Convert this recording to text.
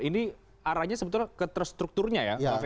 ini arahnya sebetulnya keterstrukturnya ya